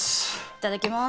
いただきまーす